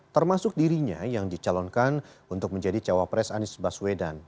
termasuk dirinya yang dicalonkan untuk menjadi cawapres anies baswedan